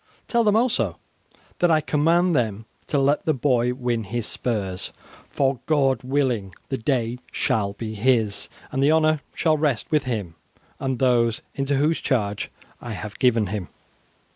Tell them also that I command them to let the boy win his spurs, for, God willing, the day shall be his, and the honour shall rest with him and those into whose charge I have given him."